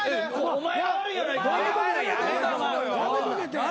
お前。